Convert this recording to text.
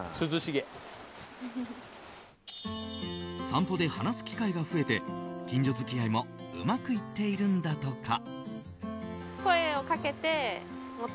散歩で話す機会が増えて近所付き合いもうまくいっているんだとか。